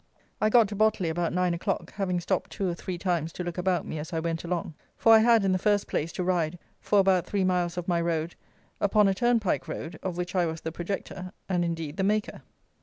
I got to Botley about nine o'clock, having stopped two or three times to look about me as I went along; for I had, in the first place, to ride, for about three miles of my road, upon a turnpike road of which I was the projector, and, indeed, the maker.